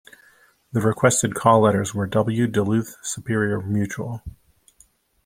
The requested call letters were W Duluth Superior Mutual.